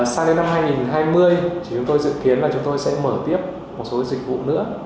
sang đến năm hai nghìn hai mươi thì chúng tôi dự kiến là chúng tôi sẽ mở tiếp một số dịch vụ nữa